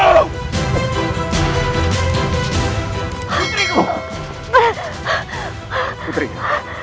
aku tidak sedih